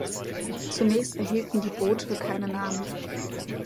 Zunächst erhielten die Boote keine Namen.